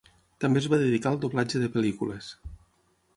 També es va dedicar al doblatge de pel·lícules.